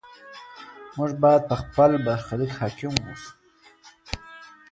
موږ باید په خپل برخلیک حاکم واوسو.